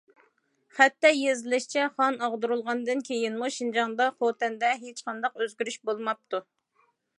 خەتتە يېزىلىشىچە، خان ئاغدۇرۇلغاندىن كېيىنمۇ شىنجاڭدا، خوتەندە ھېچقانداق ئۆزگىرىش بولماپتۇ.